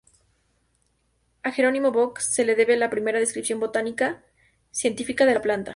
A Jerónimo Bock se le debe la primera descripción botánica científica de la planta.